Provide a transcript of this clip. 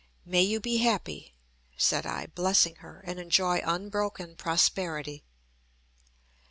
"May you be happy," said I, blessing her, "and enjoy unbroken prosperity."